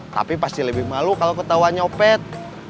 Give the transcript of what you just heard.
tapi pasti lebih malu kalau ketawa nyopet